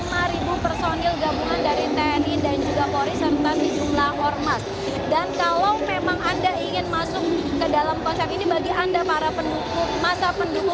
poin poin penting apa saja yang nanti akan disampaikan karena mengingat ini adalah kampanye akbar terakhir